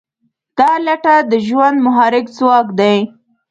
دا لټه د ژوند محرک ځواک دی.